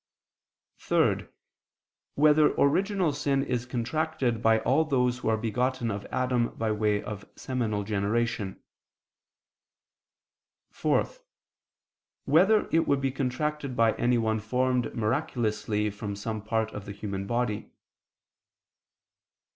(3) Whether original sin is contracted by all those who are begotten of Adam by way of seminal generation? (4) Whether it would be contracted by anyone formed miraculously from some part of the human body?